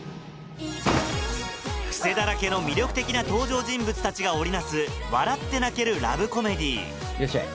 クセだらけの魅力的な登場人物たちが織りなす笑って泣けるラブコメディーいらっしゃい。